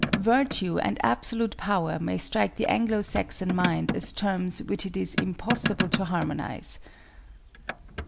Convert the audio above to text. ] Virtue and absolute power may strike the Anglo Saxon mind as terms which it is impossible to harmonize.